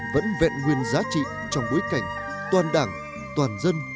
vẫn vẹn nguyên giá trị trong bối cảnh toàn đảng toàn dân